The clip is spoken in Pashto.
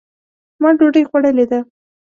ما ډوډۍ خوړلې ده.